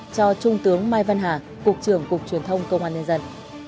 cho trung tướng mai văn hà cục trưởng cục truyền thông công an nhân dân